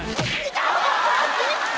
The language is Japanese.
痛っ！